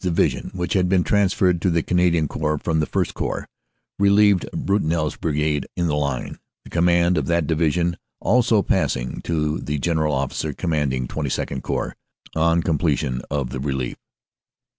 Division, which had been transferred to the Cana dian Corps from I Corps, relieved Brutinel s Brigade in the line, the command of that Division also passing to the G. O. C., XXII Corps, on completion of the relief.